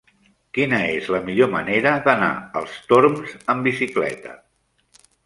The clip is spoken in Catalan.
Quina és la millor manera d'anar als Torms amb bicicleta?